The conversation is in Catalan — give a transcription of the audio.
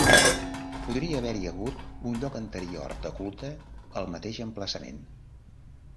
Podria haver-hi hagut un lloc anterior de culte al mateix emplaçament.